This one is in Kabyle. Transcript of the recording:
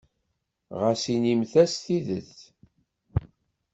Ɣas inimt-as tidet.